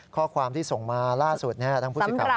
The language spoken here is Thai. ข้อความที่ส่งมาล่าสุดทางผู้สิทธิ์